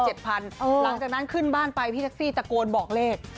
หลังจากนั้นขึ้นบ้านไปพี่แท็กซี่ตะโกนบอกเลข